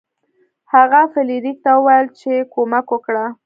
هغه فلیریک ته وویل چې کومک وکړه.